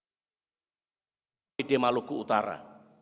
dari apbd maluku utara